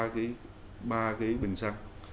ba kg bình săn